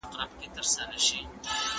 پاکستاني بریدونه هره ورځ زیاتېږي.